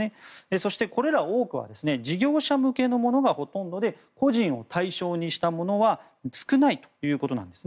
そして、これらの多くは事業者向けのものがほとんどで個人を対象にしたものは少ないということです。